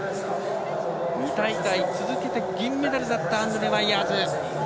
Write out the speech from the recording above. ２大会続けて銀メダルだったアンルネ・ワイヤーズ。